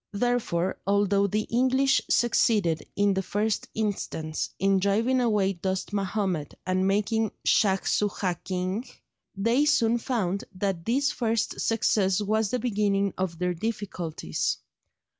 Therefore, although the English succeeded, in the first instance, in driving away Dost Mahomed and making Shaj Soojah king, they soon found that this first success was the beginning of their difficulties.